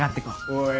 おい。